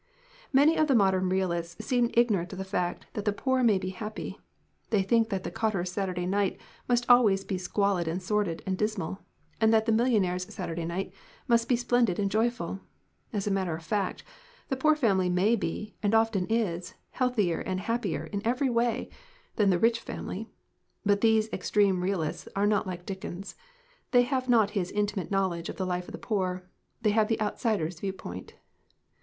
"Many of the modern realists seem ignorant of the fact that the poor may be happy. They think that the cotter's Saturday night must always be squalid and sordid and dismal, and that the millionaire's Saturday night must be splendid and joyful. As a matter of fact, the poor family may 28 THE JOYS OF THE POOR be, and often is, healthier and happier in every way than the rich family. But these extreme realists are not like Dickens, they have not his intimate knowledge of the life of the poor. They have the outsider's viewpoint.